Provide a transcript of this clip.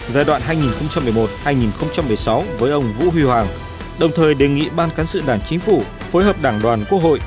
giai đoạn hai nghìn một mươi một hai nghìn một mươi sáu với ông vũ huy hoàng đồng thời đề nghị ban cán sự đảng chính phủ phối hợp đảng đoàn quốc hội